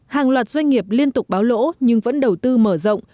hàng loạt doanh nghiệp liên tục báo lỗ nhưng vẫn đầu tư mở rộng